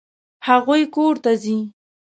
هغوی کور ته ځي.